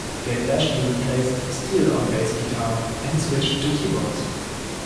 David Ashley replaced Steele on bass guitar and he switched to keyboards.